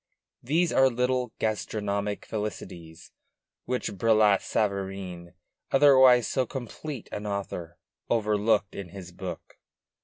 These are little gastronomic felicities which Brillat Savarin, otherwise so complete an author, overlooked in his book.